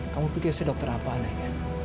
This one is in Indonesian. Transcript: kamu pikir saya dokter apaan aida